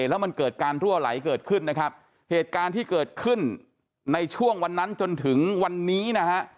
แล้วมันเกิดการรั่วไหลเกิดขึ้นนะครับเหตุการณ์ที่เกิดขึ้นในช่วงวันนั้นจนถึงวันนี้นะฮะ